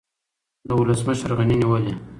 د ولسمشر غني نیولې